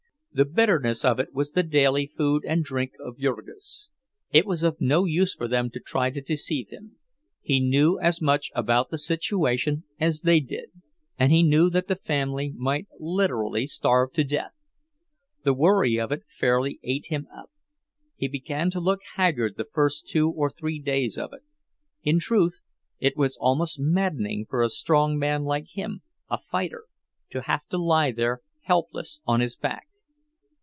The bitterness of it was the daily food and drink of Jurgis. It was of no use for them to try to deceive him; he knew as much about the situation as they did, and he knew that the family might literally starve to death. The worry of it fairly ate him up—he began to look haggard the first two or three days of it. In truth, it was almost maddening for a strong man like him, a fighter, to have to lie there helpless on his back.